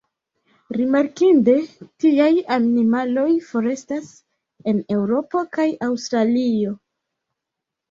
Rimarkinde, tiaj animaloj forestas en Eŭropo kaj Aŭstralio.